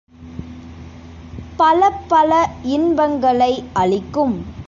பலப்பல இன்பங்களை அளிக்கும்.